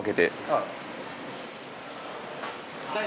はい。